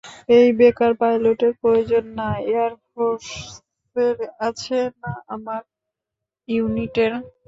এই বেকার পাইলটের প্রয়োজন না এয়ারফোর্স এর আছে, না আমার ইউনিটের।